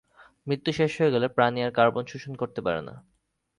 মৃত্যু হয়ে গেলে প্রাণী আর কার্বন শোষণ করতে পারে না।